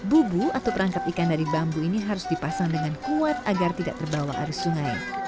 bubu atau perangkap ikan dari bambu ini harus dipasang dengan kuat agar tidak terbawa arus sungai